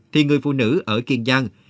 thì người phụ nữ ở kiên giang